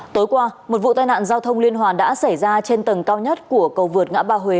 tối qua một vụ tai nạn giao thông liên hoàn đã xảy ra trên tầng cao nhất của cầu vượt ngã ba huế